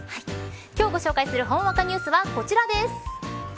今日ご紹介するほんわかニュースはこちらです。